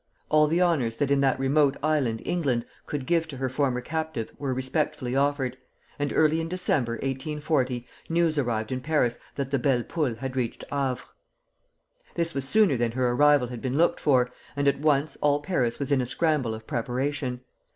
All the honors that in that remote island England could give to her former captive were respectfully offered; and early in December, 1840, news arrived in Paris that the "Belle Poule" had reached Havre. This was sooner than her arrival had been looked for, and at once all Paris was in a scramble of preparation.